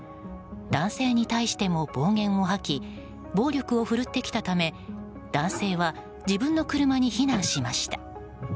男性に対しても暴言を吐き暴力を振るってきたため男性は自分の車に避難しました。